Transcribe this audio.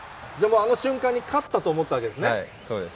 あの瞬間に勝ったと思ったわはい、そうです。